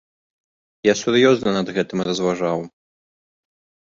Я сур'ёзна над гэтым разважаў.